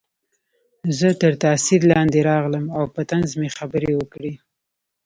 زه تر تاثیر لاندې راغلم او په طنز مې خبرې وکړې